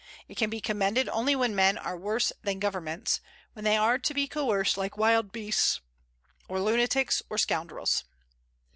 It can be commended only when men are worse than governments; when they are to be coerced like wild beasts, or lunatics, or scoundrels.